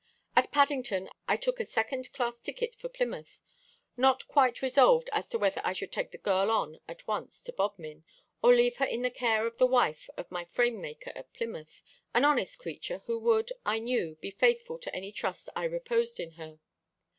"At Paddington I took a second class ticket for Plymouth, not quite resolved as to whether I should take the girl on at once to Bodmin, or leave her in the care of the wife of my frame maker at Plymouth, an honest creature, who would, I knew, be faithful to any trust I reposed in her.